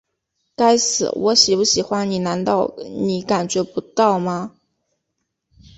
该死，我喜不喜欢你难道你感觉不到吗?